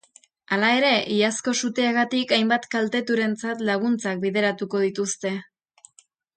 Hala ere, iazko suteagatik hainbat kalteturentzat laguntzak bideratuko dituzte.